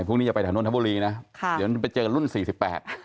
พรุ่งนี้จะไปแถวนนทบุรีนะค่ะเดี๋ยวไปเจอรุ่นสี่สิบแปด